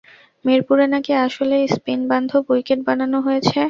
মিরপুরে নাকি আসলেই স্পিনবান্ধব উইকেট বানানো হয়েছে।